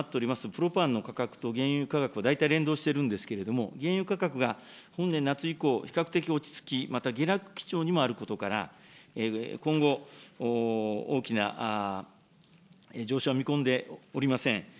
プロパンの価格と原油の価格が大体連動してるんですけれども、原油価格が本年夏以降、比較的落ち着き、また下落基調にもあることから、今後、大きな上昇を見込んでおりません。